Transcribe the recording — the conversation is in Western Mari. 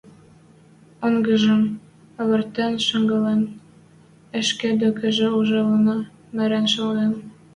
онгжым авартен шагалын, ӹшке докыжы ӱжшӹлӓ мырен шалген.